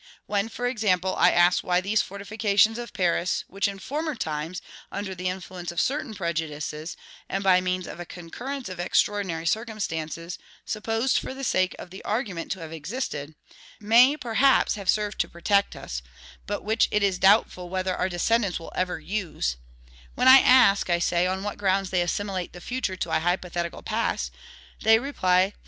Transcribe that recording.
When, for example, I ask why these fortifications of Paris, which, in former times, under the influence of certain prejudices, and by means of a concurrence of extraordinary circumstances supposed for the sake of the argument to have existed, may perhaps have served to protect us, but which it is doubtful whether our descendants will ever use, when I ask, I say, on what grounds they assimilate the future to a hypothetical past, they reply that M.